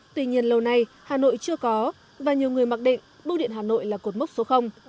tuy nhiên lâu nay hà nội chưa có và nhiều người mặc định bưu điện hà nội là cột mốc số